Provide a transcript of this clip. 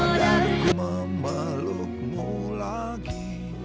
dan aku memelukmu lagi